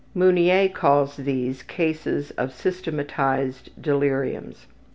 Meunier calls these cases of systematized deliriums.